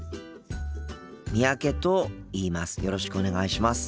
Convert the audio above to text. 三宅と言います。